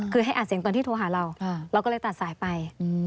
คือให้อัดเสียงตอนที่โทรหาเราเราก็เลยตัดสายไป